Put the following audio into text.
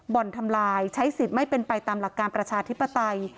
บ่อนทำลายใช้สิทธิ์ไม่เป็นไปตามหลักการประชาธิปไตย